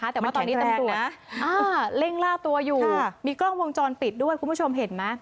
แต่ว่าตอนนี้ตำรวจเร่งล่าตัวอยู่มีกล้องวงจรปิดด้วยคุณผู้ชมเห็นไหม